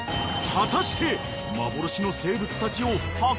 ［果たして］